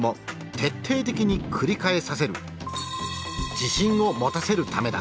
自信を持たせるためだ。